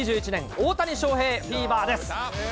大谷翔平フィーバーです。